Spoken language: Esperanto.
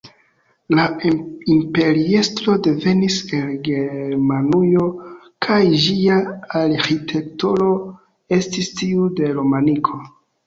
La imperiestro devenis el Germanujo, kaj ĝia arĥitekturo estis tiu de romaniko.